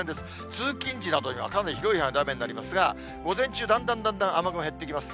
通勤時などには、かなり広い範囲で雨になりますが、午前中だんだんだんだん雨雲が減ってきます。